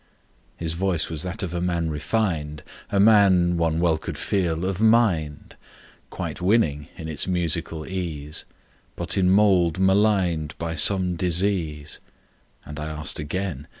His voice was that of a man refined, A man, one well could feel, of mind, Quite winning in its musical ease; But in mould maligned By some disease; And I asked again.